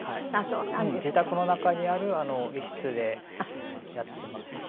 自宅の中にある一室でやっていますね。